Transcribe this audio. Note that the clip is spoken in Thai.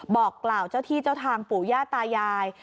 บอกกล่าวเจ้าที่เจ้าทางปู่ย่าตายาย